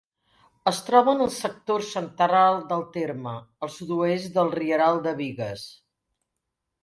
Es troba en el sector central del terme, al sud-oest del Rieral de Bigues.